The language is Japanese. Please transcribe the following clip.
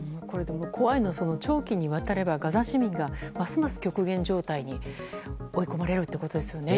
怖いのは、長期にわたればガザ市民がますます極限状態に追い込まれることですよね。